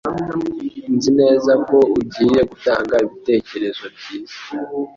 Nzi neza ko ugiye gutanga ibitekerezo byiza.